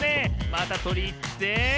またとりにいって。